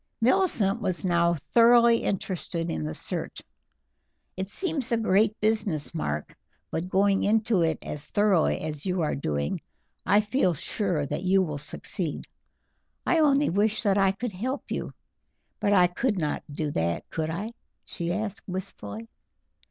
Millicent was now thoroughly interested in the search. "It seems a great business, Mark, but going into it as thoroughly as you are doing I feel sure that you will succeed. I only wish that I could help you; but I could not do that, could I?" she asked wistfully.